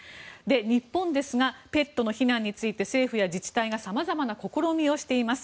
日本ですが、ペットの避難について政府や自治体がさまざまな試みをしています。